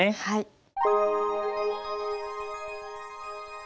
はい。